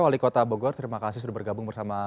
wali kota bogor terima kasih sudah bergabung bersama